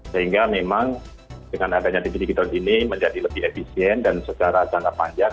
sehingga memang dengan adanya tv digital ini menjadi lebih efisien dan secara jangka panjang